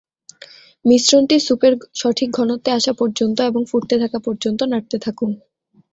মিশ্রণটি স্যুপের সঠিক ঘনত্বে আসা পর্যন্ত এবং ফুটতে থাকা পর্যন্ত নাড়তে থাকুন।